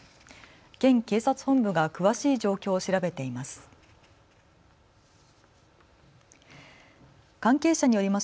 県警察本部が詳しい状況を調べています。